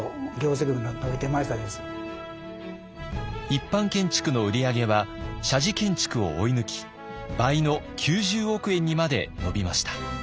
一般建築の売り上げは社寺建築を追い抜き倍の９０億円にまで伸びました。